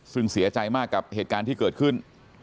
ซึ่งเสียใจมากกับเหตุการณ์ที่เกิดขึ้น